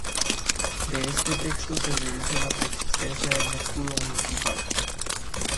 De este texto se deduce la preexistencia de un escudo Municipal.